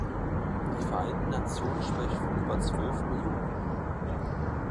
Die Vereinten Nationen sprechen von über zwölf Millionen.